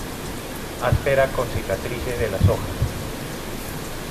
Áspera con cicatrices de las hojas.